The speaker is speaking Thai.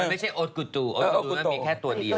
มันไม่ใช่โอศกุตุโอศกุตุมันมีแค่ตัวเดียว